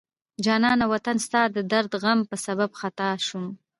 جانان وطنه ستا د درد غم په سبب خطا شم